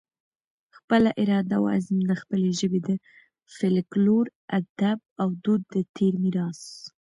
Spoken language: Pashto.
خپله اراده اوعزم د خپلې ژبې د فلکلور، ادب اودود د تیر میراث